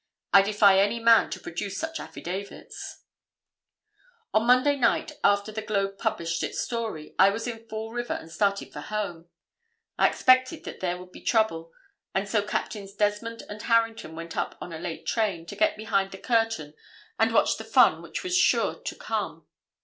I defy any man to produce such affidavits. [Illustration: REPORTER HENRY G. TRICKEY.] "On Monday night after the Globe published its story, I was in Fall River and started for home. I expected that there would be trouble, and so Captains Desmond and Harrington went up on a late train to get behind the curtain and watch the fun which was sure to come.